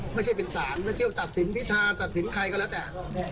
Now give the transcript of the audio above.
ไม่ใช่เป็นศาลไม่ใช่ว่าตัดสินพิธาตัดสินใครก็แล้วแต่